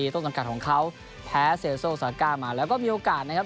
ต้นสังกัดของเขาแพ้เซลโซซาก้ามาแล้วก็มีโอกาสนะครับ